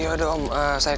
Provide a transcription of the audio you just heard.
gak apa apa ya